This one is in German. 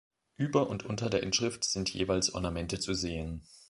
Über und unter der Inschrift sind jeweils Ornamente zu sehen.